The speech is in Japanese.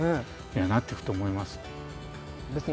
いやなっていくと思います。